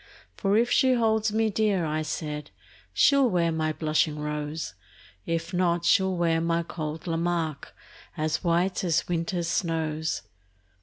For if she holds me dear, I said, She'll wear my blushing rose; If not, she'll wear my cold Lamarque, As white as winter's snows.